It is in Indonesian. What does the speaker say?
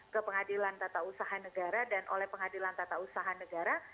ke pengadilan tata usaha negara dan oleh pengadilan tata usaha negara